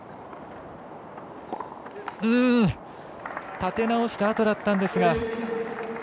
立て直したあとだったんですが。